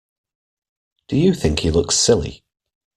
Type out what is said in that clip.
Do you think he looks silly?